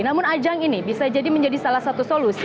namun ajang ini bisa jadi menjadi salah satu solusi